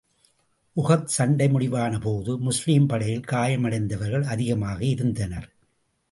உஹத் சண்டை முடிவான போது, முஸ்லிம் படையில் காயம் அடைந்தவர்கள் அதிகமாக இருந்தனர்.